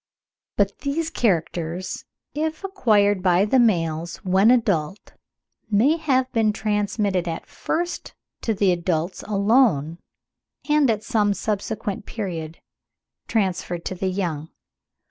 But these characters if acquired by the males when adult, may have been transmitted at first to the adults alone, and at some subsequent period transferred to the young.